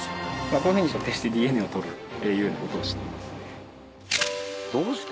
こういうふうにしてＤＮＡをとるというような事をしていますね。